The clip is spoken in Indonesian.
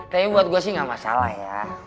tapi buat gue sih gak masalah ya